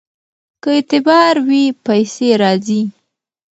که اعتبار وي پیسې راځي.